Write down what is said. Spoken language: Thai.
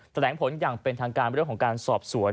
แถลงผลอย่างเป็นทางการเรื่องของการสอบสวน